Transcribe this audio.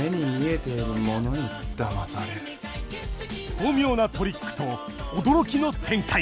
巧妙なトリックと驚きの展開。